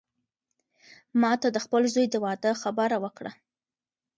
ما ته د خپل زوی د واده خبره وکړه.